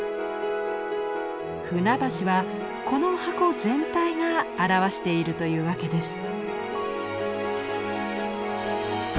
舟橋はこの箱全体が表しているというわけです。